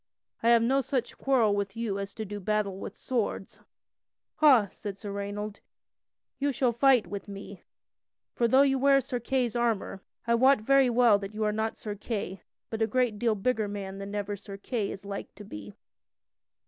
I have no such quarrel with you as to do battle with swords." "Ha!" said Sir Raynold, "you shall fight with me. For though you wear Sir Kay's armor, I wot very well that you are not Sir Kay, but a great deal bigger man than ever Sir Kay is like to be."